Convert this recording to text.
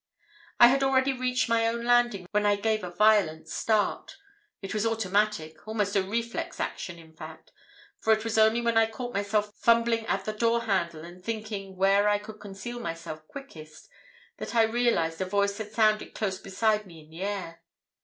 "I had already reached my own landing when I gave a violent start. It was automatic, almost a reflex action in fact, for it was only when I caught myself fumbling at the door handle and thinking where I could conceal myself quickest that I realised a voice had sounded close beside me in the air.